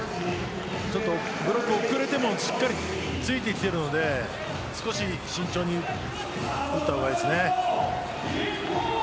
ブロック遅れてもしっかり付いてきているので少し慎重に打った方がいいです。